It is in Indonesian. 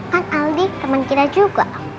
kan aldi teman kita juga